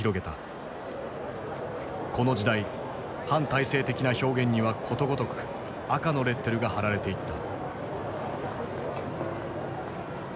この時代反体制的な表現にはことごとく「赤」のレッテルが貼られていった。